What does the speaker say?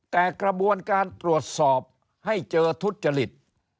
แต่กระบวนการตรวจสอบให้เจอทุจริต